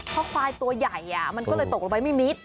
เพราะควายตัวใหญ่มันก็เลยตกลงไปไม่มิด